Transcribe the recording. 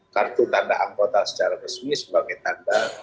kartu tanda anggota secara resmi sebagai tanda